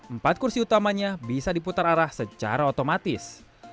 empat kursi utamanya bisa diputar arah secara otomatis